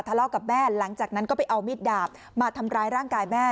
ทะเลาะกับแม่หลังจากนั้นก็ไปเอามีดดาบมาทำร้ายร่างกายแม่